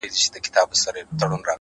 مهرباني د انسانیت ښکلی ځواک دی,